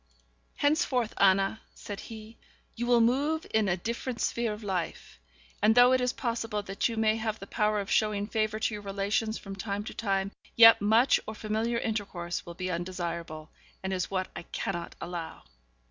'Henceforth, Anna,' said he, 'you will move in a different sphere of life; and though it is possible that you may have the power of showing favour to your relations from time to time, yet much or familiar intercourse will be undesirable, and is what I cannot allow.'